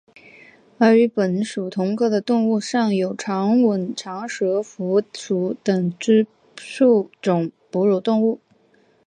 而与本属同科的动物尚有长吻长舌蝠属等之数种哺乳动物。